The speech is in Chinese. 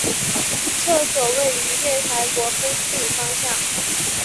厕所位于月台国分寺方向。